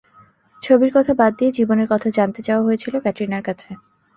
ছবির কথা বাদ দিয়ে জীবনের কথা জানতে চাওয়া হয়েছিল ক্যাটরিনার কাছে।